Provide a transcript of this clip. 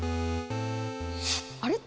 あれ？